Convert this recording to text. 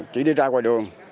chỉ đi ra ngoài đường